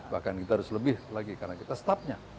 bahkan kita harus lebih lagi karena kita staffnya